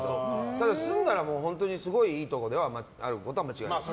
ただ住んだら、本当にすごいいいところであることは間違いない。